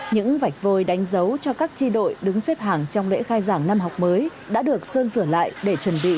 những vạch vôi đánh dấu cho các chi đội đứng xếp hàng trong lễ khai giảng năm học mới đã được sơn sửa lại để chuẩn bị